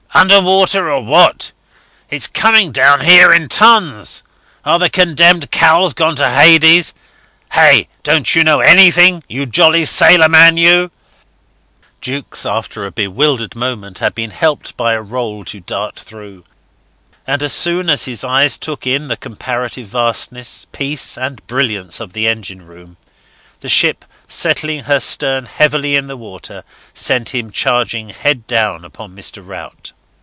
Under water or what? It's coming down here in tons. Are the condemned cowls gone to Hades? Hey? Don't you know anything you jolly sailor man you ...?" Jukes, after a bewildered moment, had been helped by a roll to dart through; and as soon as his eyes took in the comparative vastness, peace and brilliance of the engine room, the ship, setting her stern heavily in the water, sent him charging head down upon Mr. Rout.